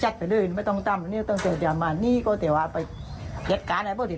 หนูนำตั้งเข้าไปเอ่อนำตั้งเข้าไปเลยตรงนี้